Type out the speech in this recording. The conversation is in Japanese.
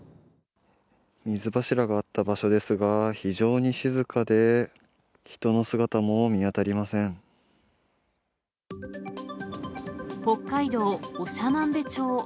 水柱があった場所ですが、非常に静かで、北海道長万部町。